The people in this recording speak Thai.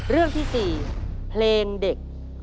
เรื่องที่๔เพลงเด็ก